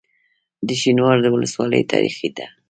د شینوارو ولسوالۍ تاریخي ده